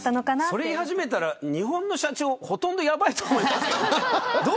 それ言い始めたら日本の社長ほとんどやばいと思う。